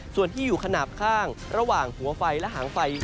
ส่วนที่อยู่ขนาดข้างระหว่างหัวไฟและหางไฟ